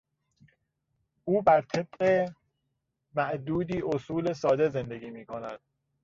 او بر طبق معدودی اصول ساده زندگی میکند.